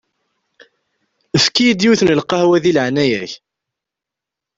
Efk-iyi-d yiwet n lqehwa di leɛnaya-k!